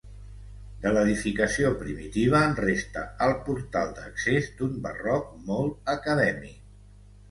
De l'edificació primitiva en resta el portal d'accés d'un barroc molt acadèmic.